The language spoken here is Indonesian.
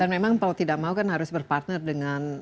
dan memang kalau tidak mau kan harus berpartner dengan